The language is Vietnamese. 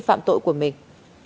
phạm tội của mình